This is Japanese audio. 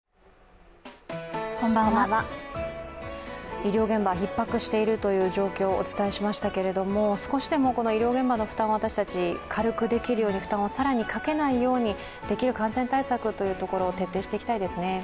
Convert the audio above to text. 医療現場、ひっ迫しているという状況をお伝えしましたけれども少しでも医療現場の負担を私たち、かけないように負担を更にかけないように、できる感染対策を徹底していきたいですね。